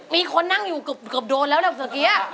มีคนนั่งอยู่เกือบโดนแล้วนะเมื่อกี้